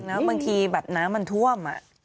บางทีแบบน้ำมันท่วม